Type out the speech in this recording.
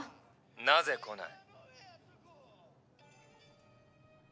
なぜ来ない？